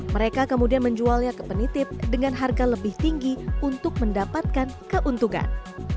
mereka kemudian menjualnya ke penitip dengan harga lebih tinggi untuk mendapatkan keuntungan